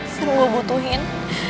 sebelum gua butuhin